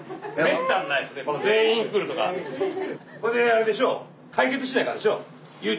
それであれでしょ？